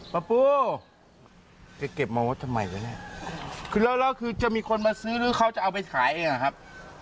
ปะปูจะเก็บมาว่าทำไมกันแน่คือเรารอกคือจะมีคนมาซื้อหรือเขาจะเอาไปขายเองนะครับ